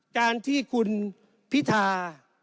การที่คุณพิธา